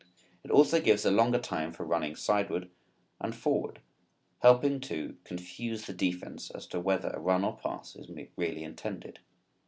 It also gives a longer time for running sideward and forward, helping to confuse the defense as to whether a run or pass is really intended.